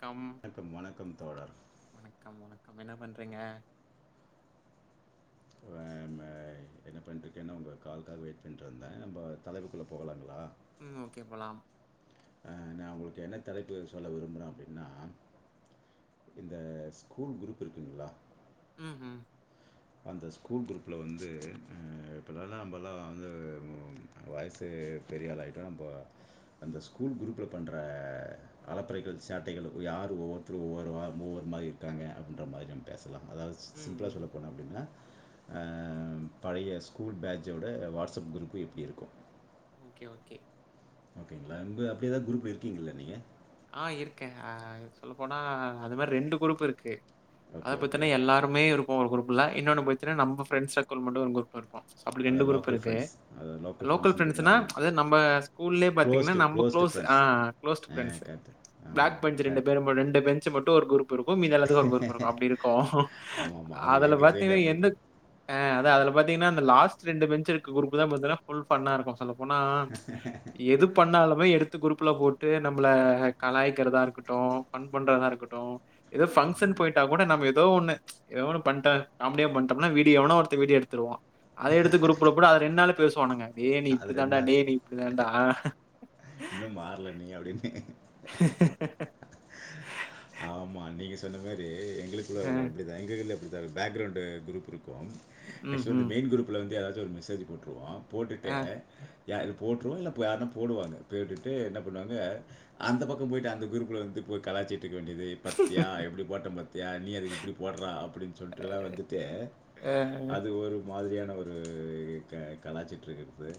Come வணக்கம் வணக்கம் தோழர் வணக்கம் வணக்கம் என்ன பண்றீங்க என்ன பண்ணிட்ரூக்கேன்னா உங்க கால்காக வெயிட் பண்ணிட்ருந்த நம்ம தலைப்புகுள்ள போகலாங்ளா ம் ஓகே போலாம் அ நா உங்களுக்கு என்ன தலைப்புகள் சொல்ல விரும்புறே அப்டின்னா இந்த ஸ்கூல் குரூப் இருக்குங்ளா ம்ஹும் அந்த ஸ்கூல் குரூப்புல வந்து இப்போலல்லா நம்பல்லா வந்து வாயஸு பெரியாளாயிட்டோ நம்போ அந்த ஸ்கூல் குரூப்ல பண்ற அலப்பறைகள் சேட்டைகள் யார் ஒவ்வொருத்தரு ஒவ்வொருவ்வொரு மாரி இருக்காங்க அப்டின்ற மாரி நம்ம பேசலா அதாது ம். சிம்ளா ம். சொல்ல போன அப்டின்னா ஆ பழைய ஸ்கூல் பேட்ஜ்ஜவிட வாட்ஸ்அப் குரூப்பு எப்படி இருக்கும் ஓகே ஓகே ஓகேங்களா இங்க அப்டியேதா குரூப்ல இருக்கீங்கல்ல நீங்க ஆ இருக்கே சொல்ல போனா அது மாரி ரெண்டு குரூப் இருக்கு அத ஓகே ஓகே பத்தின்ன எல்லா மே இருக்கு ஒரு குரூப்ல இன்னொன்னு போச்சுன்னா நம்ம பிரண்ஸ் சர்க்கிள் மட்டும் ஒரு குரூப்ல இருப்பொ அப்டி அதை ரெண்டு குரூப் லோக்கல் இருக்கு ஃப்ரெண்ட்ஸ் அதை லோக்கல் ஃப்ரெண்ட்ஸுன்ற பிரண்டஸ்னா மாதிரி அது நம்ம ஸ்கூல்லயே பாத்தீங்ன்னா க்ளோஸ்டு நம்ம க்ளோஸ்டு குளோஸ் ஆ ஃப்ரெண்ட்ஸ் அ க்ளோஸ்ட் ஆ ஃபிரண்ஸ்ஸு கரெக்ட் ஆமாம் பேக் பெஞ்ச் ஆமாம் ரெண்டு கரெக்ட் பேர் ரெண்டு பெஞ்சு மட்டு ஒரு குரூப் இருக்கு மீது எல்லத்துக்கு ஒரு குரூப் இருக்கு அப்டி இருக்கு ஆமா, ஆமா. அது அதுல எங்க பாத்தீங்க சைட்லயும் என்ன அப்படித்தான். ஆ அதா அதுல பாத்தீங்கன்னா அந்த லாஸ்ட் ரெண்டு பென்சுருக்க குரூப் தா பாத்தீங்கன்னா ஃபுல் ஃபன்னா இருக்கு சொல்ல போன எது பண்ணாலுமே எடுத்து குரூப்ல போட்டு நம்மள கலாயிக்கிறதா இருக்கட்டு ஃபண் பண்றதா இருக்கட்டு ஏதோ ஃபங்க்ஷன் ஆமா. போயிட்டா கூட நம்ம ஏதோ ஒண்ணு எதோ ஒன்னு பண்ட்டே காமெடியா பண்ட்டேனா வீடியோ எவனோ ஒருத்த வீடியோ எடுத்துருவா அத எடுத்து குரூப்ல போட அது ரெண்டு நாள்ல பேசுவானுங்க டே நீ அது இப்டி தாண்டா டே நீ இப்டி தாண்டா இன்னு மாற்ல நீ அப்டின்னு ஆமா நீங்க சொன்ன மாரி எங்களுக்குள்ள அ, [unintelligible] இப்டி எங்க இதுலயு அப்டித்தா பேக்ரவுண்ட் குரூப் இருக்கு ஆக்சுவலா ம்ஹ்ம். இந்த மெயின் குரூப் ல இருந்து ஏதாச்சு ஒரு மெசேஜ் போட்டுருவோ போட்டுட்டு அ, யா இது போட்டுருவோ இல்ல யாருன்னா போடுவாங்க போட்டுட்டு என்ன பண்ணுவாங்க அந்த பக்க போயிட்டு அந்த குரூப்ல வந்து போய் கலாச்சிட்டு இருக்க வேண்டியது பத்தியா எப்டி போட்ட பத்தியா நீ அதுக்கு இப்டி போடுலா அப்டின்னு சொல்ட்டுலா வந்துட்டு அ, அது ஒரு மாதிரியான ஒரு க கலாச்சிட்ருக்குறது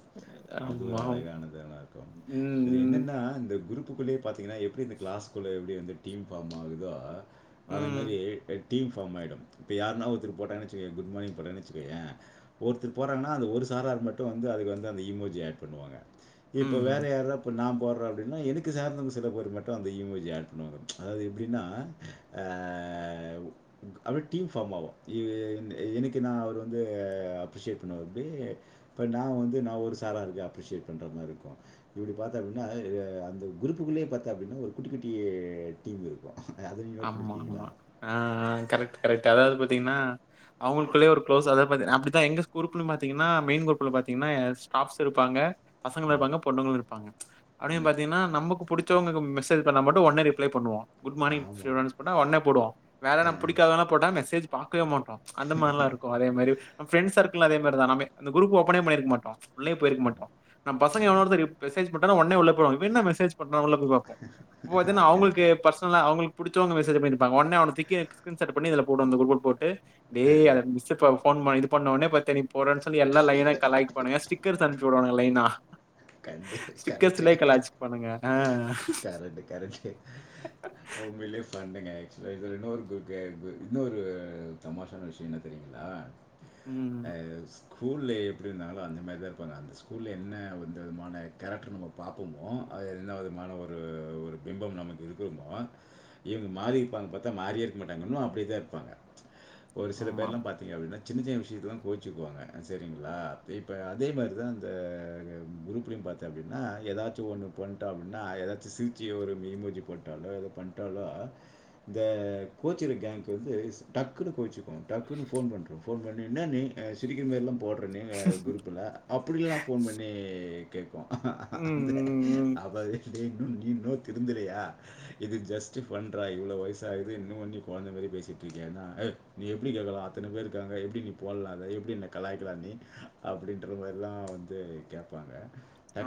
அது ஒரு ஆமா. அழகானதுல இருக்கு ம், இதுல ம், என்னன்னா இந்த குருப் புக்குள்ளேயே பாத்தீங்கன்னா எப்டி இந்த கிளாஸ்குள்ள எப்டி வந்து டீம் ஃபார்ம் ஆகுதோ அந்தமாரி ம், எட் டீம் ஃபார்ம் ஆயிடு இப்ப யாருன்னா ஒருத்த போட்டாங்கன்னு வச்சுகோயே குட்மார்னிங் போட்டானு வச்சுகோயே ஒருத்தர் போட்றாங்கன்னா அந்த ஒரு சாரார் மட்டு வந்து அதுக்கு வந்து அந்த இமோஜு ஆட் பண்ணுவாங்க இப்போ ம்ஹ்ம். வேறு யாரா இப்போ நா போடுறே அப்டின்னா எனக்கு சார்ந்தவங்க சில பேர் மட்டு அந்த இமோஜிய ஆட் பண்ணுவாங்க அதாவது எப்டின்னா ஆ உ அப்டியே டீம் ஃபார்ம் ஆகு இ ஈ எனக்கு நா அவர் வந்து அப்ரிஷியேட் பண்ணுவாப்படி இப்போ நா வந்து நா ஒரு சாராருக்கு அப்ரிஷியேட் பண்ற மார இருக்கு இப்டி பாத்தா அப்டின்னா ஆ அந்த குரூப்புக்குள்ளேயே பாத்தா அப்டின்னா ஒரு குட்டி குட்டி டீம் இருக்கு அத நீங்க நோட் பண்ணிருக்கீங்களா ஆ‌ ஆ கரெக்ட் கரெக்ட் அதாவது பாத்தீங்கன்னா அவங்களுக்குள்ளயே ஒரு குளோஸ் அதாவ பாத்தீங்க அப்டிதா எங்க குரூப்லயு பாத்தீங்கன்னா மெயின் குரூப்புல பாத்தீங்கன்னா ஸ்டாப்ஸ் இருப்பாங்க பசங்களு ம் இருப்பாங்க பொண்ணுங்களு இருப்பாங்க அப்டின்னு ம் பாத்தீங்கன்னா நமக்கு புடி சவங்கக்கு மெசேஜ் பண்ணா மட்டு உடனே ரிப்ளை பண்ணுவா குட் மார்னிங் சொல்லி ஆமாம் மெசேஜ் போட்டா அவ ஒடனே போடுவா வேற ஆ னா புடிக்காதவல்லா போட்டா மெசேஜ் பாக்கவே மாட்ற அந்த மாரி எல்லா இருக் கு அதே மாரி ஃப்ரெண்ட்ஸ் சர்க்களு அதே மாதிரி தா நாம அந்த குரூப் ஓப்பனே பண்ணிருக்க மாட்டோ உள்ளயே போயிருக்க ஆ. மாட்டோ நம் பசங்க எவனா ம். ஒருத்த ரிப் மெசேஜ் போட்டானா ஒடனே உள்ள போவாங்க இவ என்ன மெசேஜ் பண்ணா உள்ள போய் பாப்போ அப்போ ஆ, பாத்தின்னா கண்டு அவங்களுக்கு பர்சனலா அவங்களுக் படிச்சவங்க மெசேஜ் பண்ணிருப்பாங்க ஒடனே அவன தூக்கி ஸ்க்ரீன் ஷாட் பண்ணி இதுல போடுவாங்க இந்த குரூப்ல போட்டு ஆ, டேய் ஆ. அவ மிஸ் சுப்பா ஃபோன் பண்ணி இது பண்ண ஒடனே பாத்தெரியு போறேன்னு சொல்ல எல்ல லைனா கலாய் பாண்ணுங்க ஸ்டிக்கர்ஸ் அனுப்சு வுடுவாங்க லைனா கண்டு கரெக்டு ஸ்டிக்கர்லே காலாச்சு பானுங்க ஆ ரெண்டு கரெக்ட்டு உண்மையிலேயே ஃபண்ணுங்க ஆக்சுலா இன்னொரு [unintelligible] இன்னொரு தமாஷான விஷயொ என்ன சரிங்களா ம். அ ஸ்கூல்ல எப்டின்னாலு அந்த மாரிதா இருப்பாங்க அந்த ஸ்கூல்ல என்ன வந் இந்த விதமான கேரக்டர் நம்ம பாப்போமோ அது எந்த விதமான ஒரு ஒரு பிம்பம் நமக்கு இருக்கோமோ இவங்க மாறிப்பாங்க பாத்தா மாறியே இருக்க மாட்டாங்க இன்னு அப்டியேதா இருப்பாங்க ஒரு சில ஆமா. பேர்ல்லா பாத் திங்க அப்டின்னா சின்ன சின்ன விஷயத்துக்குலா கோச்சுக்குவாங்க சேரிங்களா இப்ப அதே மாரிதா அந்த குரூப்லயு பாத்த அப்டினா ஏதாச்சு ஒண்ணு பண்ட அப்டினா ஏதாச்சு சில்கீ ஒரு எமோஜி போட்டாலு ஏதோ பண் ட்டாலா இந்த கோச்சிற கேங்க்கு வந்து டக்குன்னு கோச்சுக்கும் டக்குன்னு ஃபோன் பண்றோம் ஃபோன் பண்ணி என்ன நீ அ சிரிக்கிர மேரிலாம் போடுறேன்னே குரூப்பில அப்டிலாம் ஃபோன் பண்ணி கேட்கும் ம், வந்து ம், ம். அவது இன்னும் நீ இன்னும் திருந்தலையா இது ஜஸ்ட் ஃபண்றா இவ்ளோ வயசு ஆகுது இன்னும் ஒன்னி குழந்தை மேரி பேசிட்டு இருக்கேன்ன்னா எ நீ எப்டி கேட்கலாம் அத்தனை பேருக்காங்க எப்டி நீ போடலாம் எப்டி என்னை கலாய்க்கலாம் நீ அப்டின்ற மாரிலாம் வந் து கேட்பாங்க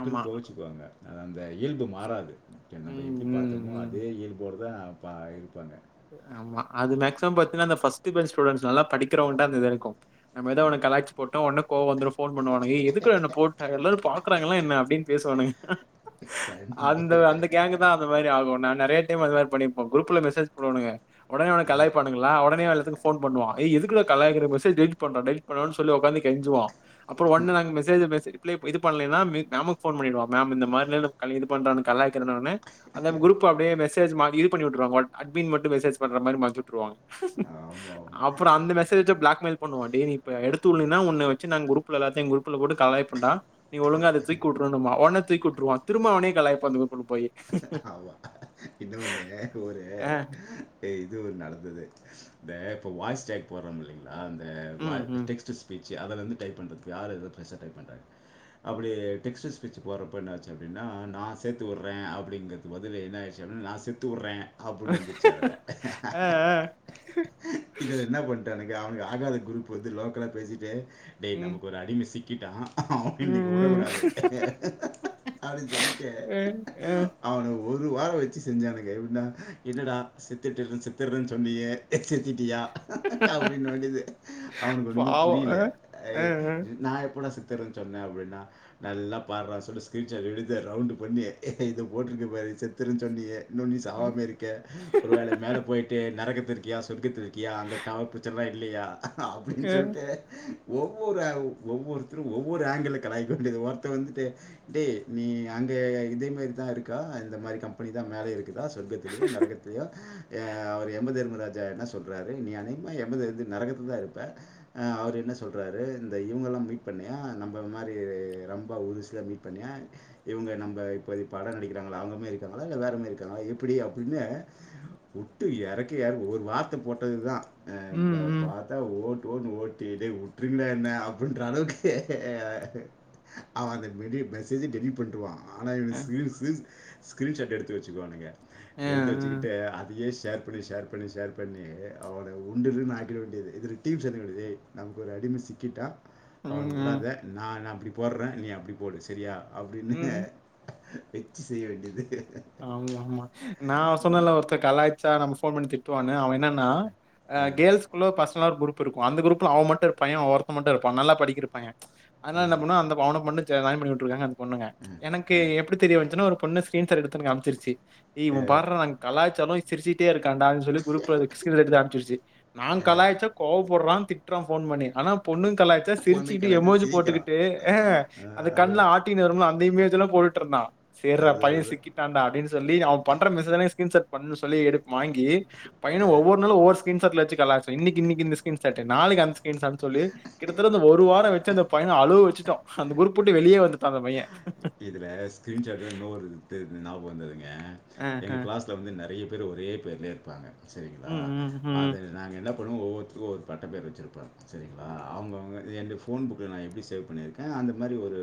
ஆமா. கோவிச்சுக்குவாங்க அந்த இயல்பு மாறாது ஒகே ம் டி ம், பாத்தோமோ ம். அதே இயல்போடதா ப இருப்பாங்க ஆமா அது மேக்சிமம் பாத்தீன்னா அந்த ஃபஸ்ட் பெஞ் ஸ்டூடென்ஸ் நல்ல படிக்கிறவன்ட்ட அந்த இது இருக்கும் நம்ம ஏதோ ஒண்ணு காலாய்ச்சு போட்டோம் உடனே கோவம் வந்துரும் போன் பண்ணுவானுங்க ஏ எதுக்குடா என்ன போட்ட எல்லாரும் பாக்குறாங்களா என்ன அப்பின்னு பேசு வானுங்க கண்டே அந்த மாரி ஆகும் நா நிறைய டைம் அது மாரி பண்ணிருப்ப குரூப்ல மெசேஜ் போடுவானுங்க உடனே அவன காலாய்பாண்ணுங்க உடனே எல்லத்துக்கு போன் பண்ணுவான் ஏ எதுக்குடா கலாய்க்குற மெசேஜ டெலிட் பன்றா டெலிட் பண்ணுடானு சொல்லி உக்காந்து கெஞ்சுவான் அப்பறம் ஒன்னே நாங்க மெசேஜ மெசே ரிப்ளை இது பண்ணலன்னா மேம்க்கு போன் பண்ணிடுவா மேம் இந்த மாரிலா க இது பண்றான் கலாய்க்குற உடனே அந்த குரூப் அப்டியே மெசஜ் மாரி இது பண்ணி விற்றுவாங்க வால் அட்மின் மட்டும் மெசேஜ் பண்ற மாரி மாத்தி விட்டுருவான் ஆமாம் ஆமாம் அப்பறம் அந்த மெசே ஜ் வச்சி பிளாக்மேல் பண்ணுவாே டேய் நீ இப்ப எடுத்துல்லனா உன்ன வச்சி நாங்க குரூப் எல்லாத்தையும் குரூப் குரூப் குள்ள போட்டு கலாய்போம்டா நீ ஒழுங்கா ஆத தூக்கிவிட்ரூன்போ உடனே தூக்கி உட்டுருவான் திரும்ப அவனே கலாய்பாங்க குரூப்ல போய் ஆமா இன்னொன்னு ஒரு ஆ. து இது நடந்தது இந்த இப்ப வாய்ஸ் டேக் போறோம் இல்லைங்களா இந்த வா ம், ம். டெக்ஸ்ட் பிச்சு அதுல இருந்து டைப் பண்றது யாரு அது பெருசா டைப் பண்றாங்க அப்டி டெஸ்ட் ஸ்பீச்க்கு போறப்ப என்னாச்சு அப்டின்னா ந சேர்த்துவுர வுற அப்டிங்கிறது பதிலு என்ன விஷம் நான் செத்து விடுறேன் அப்டின்னு வந்துருச்சு அதுல ஆ, ஆ. இதுல என்ன பண்ட்டானுக அவனுக்கு ஆகாத குரூப் வந்து லோக்கலா பேசிட்டு டேய் ம், நமக்கொரு அடிம சிக்கிட்டா அவன இன்னிக்கு விடக் ம், ம். கூடாது அப்டின்னு சொல்லிட்டு ஆ அவனை ஒரு வாரம் வச்சு செஞ்சானுங்க எப்டின்னா என்னடா சித்துட்டுறேன் சித்துடுறேன்னு சொன்னீயே எச்சதீட்டியா அப்டின் வேண்டியது அவனுக்கு ஒண்ணமே பாவம். அ, புரில அ, அ. நான் எப்படா செத் தரன்னு சொன்ன அப்டின்னா நல்லா பார்றா சொல்லி ஸ்க்ரீன் சாட் எடுத்து ரவுண்ட் பண்ணி இத போட்டிருக்க பாரு செத்துருன்னு சொன்னியே இன்னும் நீ ம், சாவாமே இருக் க ஒருவேளை மேல போயிட்டு நரகத்துல இருக்கியா சொர்கத்துல இருக்கியா அங்க டவர் பிரச்சனைலா இல்லையா அப்டின்னு அ. சொல்ட்டு ஒவ்வொரு ஒவ்வொருத்தரும் ஒவ்வொரு ஆங்கில்ல கலாய்க்க வேண்டியது ஒருத்தர் வந்துட்டு டேய் நீ அங்க இதே மாரி தான் இருக்கா இந்த மாரி கம்பெனி தான் மேல இருக் க்குதா சொர்க்கத்திலயும் நரகத்திலும் அவர் எமதர்மராஜா என்ன சொ சொல்றாரு நீ அனேகமா எமது வந்து நரகத்துலதா இருப்ப அவர் என்ன சொல்றாரு இந்த இவங்க எல்லாம் மீட் பண்ணியா நம்ம மாரி ரம்பா ஊர்வசிய மீட் பண்ணியா இவங்க நம்ம இப்போ பாடம் நடிக்கிறங்களா அவங்க மாரி இருக்காங்களா இல்ல வேறமாரி இருக்காங்களா எப்டி அப்டின்னு புட்டு எறக்கு எறக்கு ஒரு வார்த்த போட்டது தான் அ ம், வ ம். பார்த்தா ஓட்டு ஓட்டுனு ஓட்டிட்டு விட்டுங்க என்ன அப்படின்ற அளவுக்கு அவன் அந்த மெசேஜ் டெலிட் பண்ணிடுவான் ஆனா இவ அ, ஸ்கீன் ஸ்க்ரீன்ஷாட் எடுத்து வச்சுக்குவானுங்க அ, எடுத்து அ. வச்சுக்கிட்டு அதையே ஷேர் இப்படி ஷேர் பண்ணி ஷேர் பண்ணி அவன உண்டு இல்லன்னு ஆக்கிட வேண்டியது இதுல டீம்ஸ் என்ன வேண்டியது ஏய் நமக்கொரு அடிம சிக்கிட்டா அவன ம், ம். உடாத நா நா அப்படி போடுறே நீ அப்படி போடு சரியா அப்படின்னு அ ம். வச்சி செய்ய வேண்டியது ஆமா ஆமா நான் சொன்னல்ல ஒருத்தர் கலாயச்சா நம்ம ஃபோன் பண்ணி திட்டுவானு அவ என்னன்னா அ அஹ், கேல்ஸ் பெர்சனல்ல ஒரு குரூப் இருக்கு அந்த குரூப்ல அவன் மட்டும் பையன் ஒருத்த மட்டு இருப்பான் நல்லா படிக்கிற பையன் அதனால என்ன உம், பண்ணோ அந்த அவன மட்டு ஜாய்ன் பண்ணி விட்ருங்க அந்த பொண்ணுங்க உம், எனக்கு அஹ், எப்படி தெரிய வன்ச்சுனா ஒரு பொண்ணு ஸ்கீர்ஷாட் எடு அம்ச்சிருச்சு ஏ இவன் அஹ், பார்ரா கலாய்ச்சாலும் சிரிச்சிட்டே இருக்காண்ட குரூப் ல இருகர்த ஸ்க்ரீன்ஷா எட்த்து அன்ப்ச்சிர்ச்சி நாங் அஹ். கலாய்ச்சா கோவப்பட்றான் திட்றா ஃபோன் பண்ணி ஆனா பொண்ணு கலாயச்சா பொண்ணு சிரிச்சுக்கிட்டு கலாய்ச்சி எமோச்சு சிரிக்கிறான் போட்டுக்கிட்டு அஹ், அது கண்ல அதான் ஆ ஹாட்டின் வரும் ல அந்த இமோஜ் ல போட்டு இருந்தான் ச அது பையன் அது சிக்கிட்டு தாண்ட அப்படின்னு சொல்லி அவ பண்ற மெசேஜ்லாம் ஸ்கிரீன்ஷாட் பண்ணா சொல்லி எடுத்து வாங்கி பையன ஒவ்வொரு நாளும் ஒவ் ஸ்க்ரீன்ஷாட் ல வச்சி கலாய்ச்சோ இன்னிக்கி இந்ந ஸ்க்ரீன்ஷாட் நாளைக்கி அந்த ஸ்க்ரீன்ஷாட் சொல்லி கிட்டதட்ட அத ஒரு வாரோ வச்சு பையன அழுவ வச்சுட்டோ அந்த குரூப் விட்டு வெளியே வந்துட்டா அந்த பையன் இதில் ஸ்கிரீன்ஷாட் தா இன்னொரு இது ஞாபக வந்ததுங்க ஆ, எங்க ஆ. கிளாஸ் வந்து நிறைய பேர் ஒரே பேர்ல இருப்பாங்க சரிங்களா ம், ம், அத ம். நாங்க என்ன பண்ணுவோ ஒவ்வொருக்கு ஒரு பட்ட பேர் வைச்சிருப்போ சரிங்களா அவங்க அவங்க எண்டு ஃபோன் புக்கில் நா எப்படி சேவ் பண்ணியிருக்கே அந்த மாதிரி ஒரு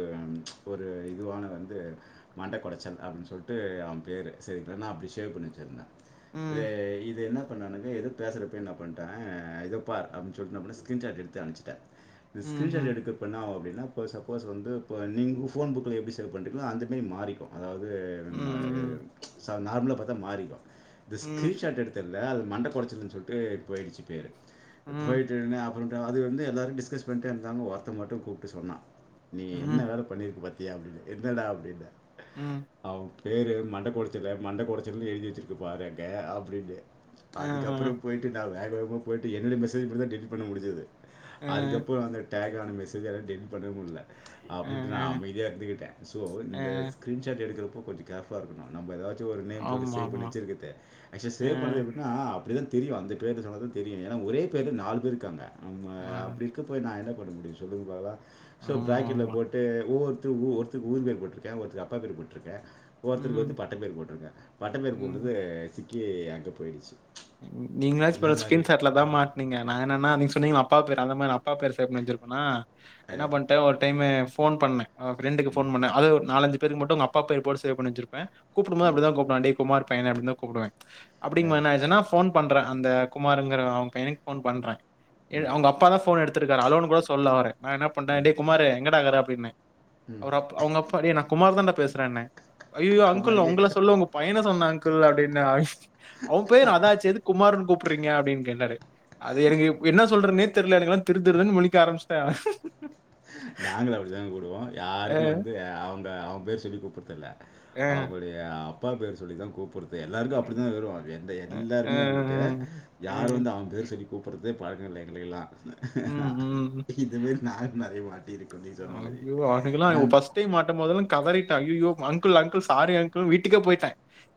ஒரு இதுவான வந்து மண்டகொடச்சல் அப்படின்னு சொல்லிட்டு அவன் பேரு சரி நா அப்படி ஷேவ் பண்ணி வச்சிருந்தே இத ம், இத என்ன பண்ணானுங்க எதுக்கு பேசுறப்ப என்ன பண்ட இதோ பார் அப்படின்னு ஸ்கிரீன்ஷாட் எடுத்து அனுப்ச்சிட்டே ஸ்கிரீன்ஷாட் ம்ஹ்ம். எடுக்க அப்பென்னாகு அப்படினா இப்போ சப்போஸ் வந்து நீ ஃபோன் புக்ல எப்டி இது பண்றீங்களோ அந்த டைம் மாறிக்கு அதாவது ம், ம். நார்மலா பார்த்தா மாறிக்கு இந்த ம், ஸ்கிரீன்ஷாட் எடுத்தல அது மண்டகொடச்சல்ன்னு சொல்லிட்டு போயிடுச்சு பேரு ம். போயி அப்ரோ அது வந்து எல்லார டிஸ்கஸ் பண்ணிட்டு இருந்தாக ஒருத்த மட்டு கூப்பிட்டு சொன்ன நீ என்ன ம், வேலை பண்ணிருக்க பாத்தியா அப்படின் என்னடா அப்டின்னே ம் அவன் பேரு மண்டக்கொடச்சல் மண்டக்கொடச்சல்ன்னு எழுதி வச்சிருக்குப்பா அங்க அப்படின்னு ஆஹா. அதுக்கப்றோ போய்ட்டு நா வேக வேகமாக போய்ட்டு என்னோட மெசேஜ் மட்டுந்தா டெலிட் பண்ண முடுஞ்சது ஆ, அதுக்கப்புறம் அந்த டேக்கான மெசேஜ் எல்லாம் டெல் பண்ணவே முடில ஆ, அப்படின்ட்டு நா ஆ, அமைதியா இருந்துக்கிட்டே ஸோ ஆ. இந்த ஸ்க்ரீன்ஷாட் எடுக்கறப்போ கொஞ்சோ கேர்ஃப் ஃபுல்லா இருக்கணு நம்மதாச்சு ஒரு நேம் போட்டு சேவ் ஆமாமா. பண்ணிச்சுருக்கத ஆ, சேவ் பண்ணது எப்டினா அப்டிதா தெரியு அந்த பேரு சொன்னதா தெரியு ஏன்னா ஒரே பேருல நாலு பேர் இருக்காங்க நம்ம ஆ. அப்டின் இருக்கப ப்போ நா என்ன பண்ண முடியு சொல்லுங்க பாக்கலா சோ ப்ராக்கெட்ல ஆமாமா. போட்டு ஒவ்வொருத்தொ ஒவ்வொருத் ஊர் பேர் போட்டிருக்கே ஒருக் அப்பா பேர் போட்ருக்கே ஒருத்தருக்கு ம், வந்து பட்ட பேரு போட்டருக்கே பட்டப்பேரு ம். போட்டது சிக்கி அங்க போயிடுச்சு நீங்களாச்சு இந்த பரவால மாதிரி ஸ்கீன் ஷாட்லதா மாட் நீங்க நா என்னன்னா நீங்க சொன்னீங்க அப்பா பேர் அந்த மாதிரி அப்பா பேரு சேவ் பண்ணி வச்சிருப்பாங்க அஹ், என்ன ஒரு டைமு ஃபோன் பண்ணே ஃபிரெண்ட்டுக்கு ம் ஃபோன் பண்ணே அது ஒரு நாலஞ்சு பேருக்கு மட்டு அவங்க அப்பா பேரு போட்டு சேவ் பன்னி வச்சிருப்பே கூப்புடும் போது ம் அப்படிதா கூப்புடுவே டே குமார் பையனே அப்படினுதா கூப்படுவே அப்படிங்கும்போது அஹ், என்ன ஆச்சுனா ஃபோன் பண்றே அந்த குமாருங்குற அவங்க பையனுக்கு ஃபோன் பண்றே ம் அவங்க அப்பாதா ஃபோன் எடுத் த்துருக்காரு அலோனு கூட சொல்ல அவரு நா என்ன பண்டே டேய் குமாரு எங்கடா இருக்குற அப்பிடினே ம் அப்பரோ அவங்க அப்பா நான் குமார தண்டா பேசுறேன்ன ஐயயோ அங்கிள் உங்க குமாருக்கு சொல்ல உங்க பையன சொன்னே அங்கிள் அப்படின்னு அவன் பெயர் அதாச்சே எதுக்கு குமார்ன்னு கூப்டுறீங்க அப்டின்னு கேட்டாரு அது எனக்கு என்ன சொல்றனே தெரியில எனக்கலாம் திரு திருன்னு முழிக்க ஆரம்பிச்சிட்டே நாங்கள அப்படித்தான் கூடுவோம் அ, யாருக்கும் வந்து அவங்க அவன் பேர் சொல்லி கூப்படுறதுல்ல அ, அவங்க அப்பா பேர் சொல்லிதான் கூப்பிடுறது எல்லாருக்கும் அப்படித்தான் வரும் எந்த அ, அ, எல்லாருமே வந்துட்டு அ, யாரும் வந்து அவன் பேர் சொல்லி கூப்புறதே பழக்க இல்ல எங்களுக்கெல்லாம் ம், ம். இந்த மேரி நானும் நெறைய மாட்டி இரு [unintelligible] ஃபர்ஸ்ட் டைம் மாட்டும் போதல்லும் கதறி ஐயையோ அங்குள் அங்குள் சாரி அங்குள் வீட்டுகே போயிட்டே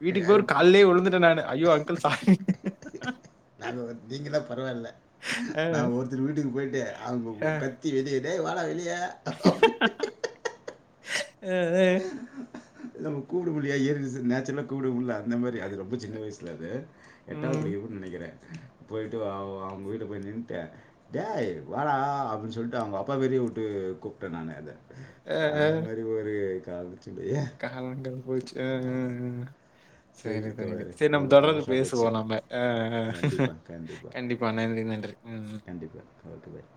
வீட்டுக்கு போய் ஒரு காலேயே வுழுந்துட்டேன் நான் ஐயோ அங்குள் சாரி நாங்க வந் நீங்கதா பரவாயில்ல அ, நா ஒருத்தர் வீட்டுக்கு போயிட்டு அ, அவுங்க கத் தி வெளிய டேய் வாட வெளிய அப்படி அ அ நம்ம கூப்புட முட்லயா ஏ [unintelligible] நேச்சுரலா கூப்புட முட்ல இந்த மாரி அது ரொம்ப சின்ன வயசுல அது எட்டாவ்து ம். படிக்கு நினைக்கிறேன் போயிட்டு அவ அவங்க வீட்ட போய் நின்ட்டேன் டேய் வாடா அப்படின்னு சொல்லிட்டு அவங்க அப்பா பெயரையே விட்டு கூப்பிட்டேன் நான் அத அ, அந்த அ. மாரி ஒரு கால் மச்சு இல்லயே காலங்கள் போச்சு அ சரி சரிங்க தோ தோழர் [unintelligible] சரி நம்ம ரொம்ப தொடர்ந்து தமாஷா போச்சு பேசுவோம் நம்ம ஆ கண்டிப்பா நன்றி நன்றி ம். ம். கண்டிப்பா [unintelligible]